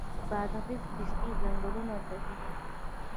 د بادغیس د پستې ځنګلونه طبیعي دي.